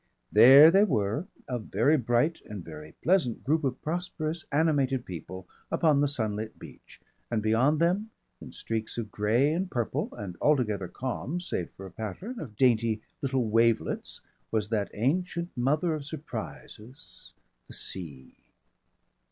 There they were a very bright and very pleasant group of prosperous animated people upon the sunlit beach, and beyond them in streaks of grey and purple, and altogether calm save for a pattern of dainty little wavelets, was that ancient mother of surprises, the Sea.